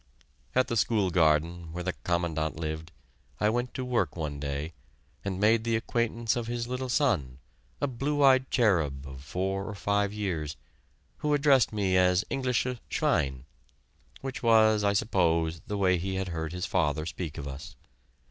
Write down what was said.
At the school garden, where the Commandant lived, I went to work one day, and made the acquaintance of his little son, a blue eyed cherub of four or five years, who addressed me as "Englisches Schwein," which was, I suppose, the way he had heard his father speak of us.